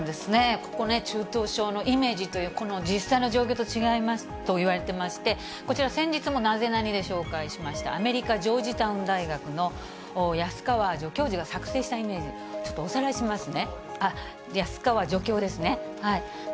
ここね、中等症のイメージという、実際の状況と違いますといわれてまして、こちら、先日もナゼナニっ？で紹介しました、アメリカ・ジョージタウン大学の安川助教授が作成したイメージ、ちょっとおさらいしますね。